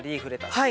はい。